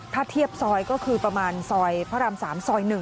ถ้าเทียบซอยก็คือประมาณซอยพระราม๓ซอย๑